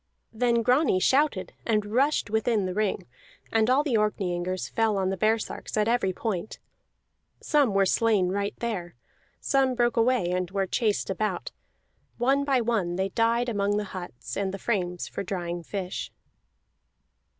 Then Grani shouted and rushed within the ring, and all the Orkneyingers fell on the baresarks at every point. Some were slain right there; some broke away and were chased about; one by one they died among the huts and the frames for drying fish.